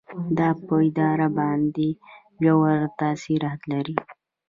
دا په اداره باندې ژور تاثیرات لري.